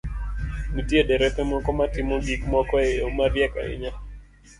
Nitie derepe moko matimo gik moko e yo mariek ahinya,